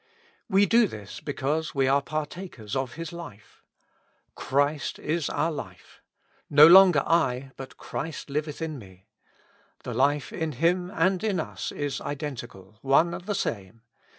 We do this because we are partakers of His life :" Christ is our life ;" "No longer I, but Christ Hveth in me." The life in Him and in us is identical, one and the same.